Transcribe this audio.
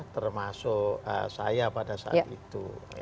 termasuk saya pada saat itu